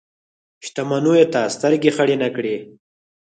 شتمنیو ته سترګې خړې نه کړي.